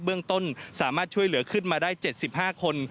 เบื้องต้นสามารถช่วยเหลือขึ้นมาได้๗๕คน